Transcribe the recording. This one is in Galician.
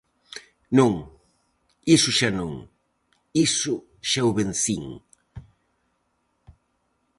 Non, iso xa non, iso xa o vencín.